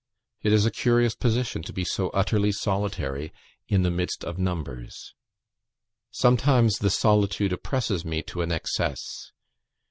It is a curious position to be so utterly solitary in the midst of numbers. Sometimes the solitude oppresses me to an excess.